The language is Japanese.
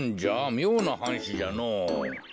みょうなはんしじゃのぉ。